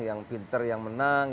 yang pintar yang menang